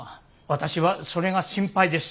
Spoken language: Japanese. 私はそれが心配です。